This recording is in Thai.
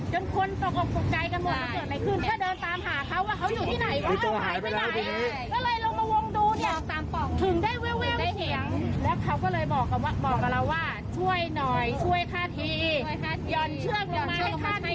ช่วยหน่อยช่วยค่าทียั่นเชื้อมลงมาให้ค่าที